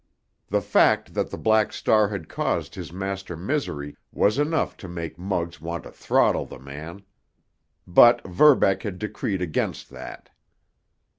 The fact that the Black Star had caused his master misery was enough to make Muggs want to throttle the man. But Verbeck had decreed against that.